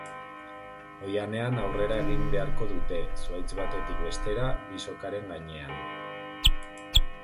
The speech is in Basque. Oihanean aurrera egin beharko dute, zuhaitz batetik bestera, bi sokaren gainean.